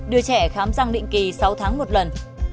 đưa trẻ khám răng định kỳ sáu tháng một lần